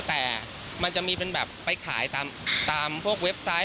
แต่มันจะมีเป็นแบบไปขายตามพวกเว็บไซต์